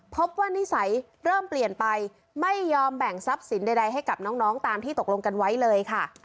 นิสัยเริ่มเปลี่ยนไปไม่ยอมแบ่งทรัพย์สินใดให้กับน้องตามที่ตกลงกันไว้เลยค่ะ